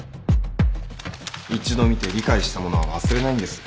一度見て理解したものは忘れないんです。